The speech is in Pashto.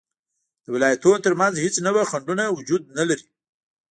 د ولایتونو تر منځ هیڅ نوعه خنډونه وجود نلري